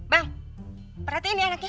bang perhatiin nih anaknya